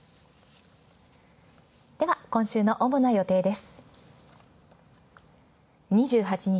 では、今週の主な予定です。